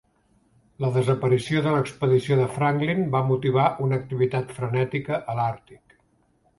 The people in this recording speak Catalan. La desaparició de l'expedició de Franklin va motivar una activitat frenètica a l'Àrtic.